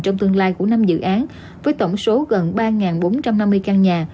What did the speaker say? trong tương lai của năm dự án với tổng số gần ba bốn trăm năm mươi căn nhà